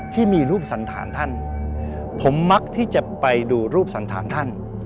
ที่มีรูปสันฐานท่านผมมักที่จะไปดูรูปสันธารท่าน